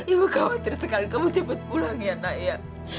ibu khawatir sekali kamu cepet pulang ya naya